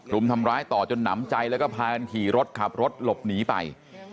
รุมทำร้ายต่อจนหนำใจแล้วก็พากันขี่รถขับรถหลบหนีไป